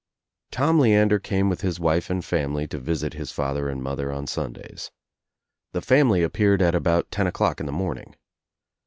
Tom Leander came with his wife and family to visit his father and mother on Sundays. The family ap peared at about ten o'clock in the morning.